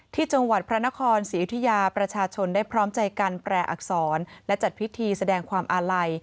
ที่จังหวัดพระนครศรีอยุธยาประชาชนได้พร้อมใจกันแปรอักษรและจัดพิธีแสดงความอาลัย